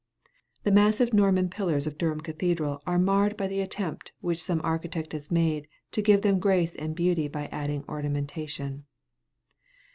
The massive Norman pillars of Durham Cathedral are marred by the attempt which some architect has made to give them grace and beauty by adding ornamentation.